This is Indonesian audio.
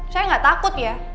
saya gak takut ya